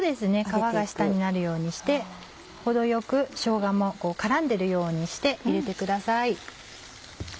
皮が下になるようにして程よくしょうがも絡んでるようにして入れてください。